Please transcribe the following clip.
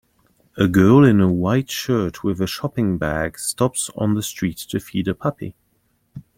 A girl in a white shirt with a shopping bag stops on the street to feed a puppy